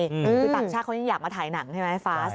คือต่างชาติเขายังอยากมาถ่ายหนังใช่ไหมฟ้าส